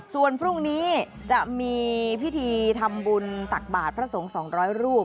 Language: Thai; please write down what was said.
ส่วนพรุ่งนี้จะมีพิธีทำบุญตักบาทพระสงฆ์๒๐๐รูป